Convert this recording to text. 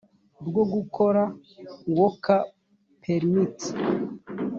rwo gukora work permit